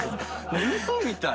嘘みたい。